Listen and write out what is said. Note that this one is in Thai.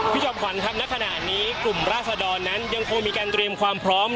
จอมขวัญครับณขณะนี้กลุ่มราศดรนั้นยังคงมีการเตรียมความพร้อม